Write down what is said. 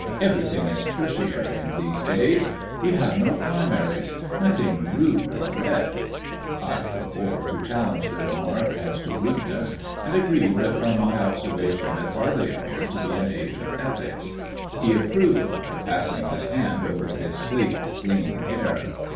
Everything is tertiary in these days we have no primaries. Nothing rude or red." I forbore to challenge the remark as to rudeness, and agreed that from my observation it hardly appeared to be an age of epics. He approved, passing his hand over his sleek, clean hair.